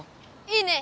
いいね！